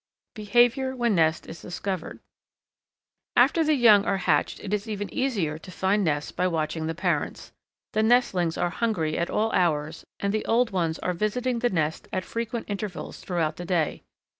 Behaviour When Nest Is Discovered. After the young are hatched it is even easier to find nests by watching the parents. The nestlings are hungry at all hours, and the old ones are visiting the nest at frequent intervals throughout the day.